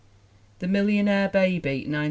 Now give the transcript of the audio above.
The Millionaire Baby, 1905.